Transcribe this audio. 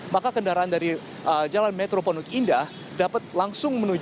maka kendaraan dari jalan metro pondok indah dapat langsung menuju